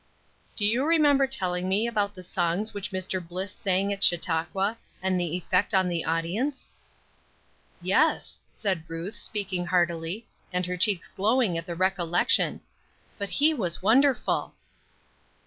"Do you remember telling me about the songs which Mr. Bliss sang at Chautauqua, and the effect on the audience?" "Yes," said Ruth, speaking heartily, and her cheeks glowing at the recollection "but he was wonderful!"